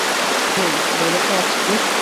হেই, বলো তো আজ কী?